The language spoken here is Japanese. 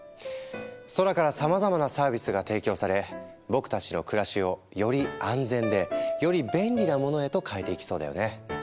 空からさまざまなサービスが提供され僕たちの暮らしをより安全でより便利なものへと変えていきそうだよね。